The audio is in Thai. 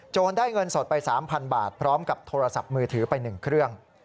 ได้เงินสดไป๓๐๐บาทพร้อมกับโทรศัพท์มือถือไป๑เครื่อง